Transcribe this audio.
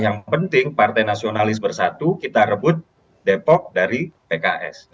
yang penting partai nasionalis bersatu kita rebut depok dari pks